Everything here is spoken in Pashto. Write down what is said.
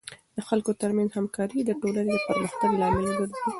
د خلکو ترمنځ همکاري د ټولنې د پرمختګ لامل ګرځي.